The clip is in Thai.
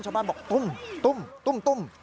ชาวบ้านบอกทุ่ม